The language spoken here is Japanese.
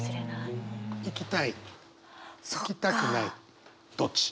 行きたい行きたくないどっち？